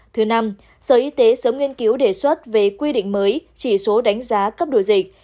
thứ năm sở y tế sớm nghiên cứu đề xuất về quy định mới chỉ số đánh giá cấp đổi dịch